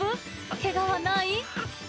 けがはない？